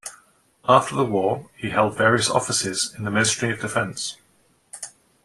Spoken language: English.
After the war, he held various offices in the Ministry of Defense.